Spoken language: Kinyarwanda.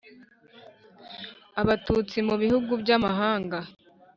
abatusti mu bihugu by amahanga